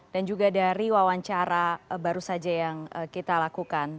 dan juga dari wawancara baru saja yang kita lakukan